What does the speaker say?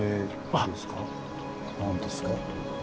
何ですか？